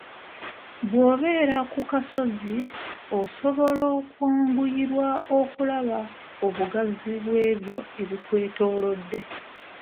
Bw'obeera ku kasozi, osobola okwanguyirwa okulaba obugazi bwe byo ebikwetoolodde.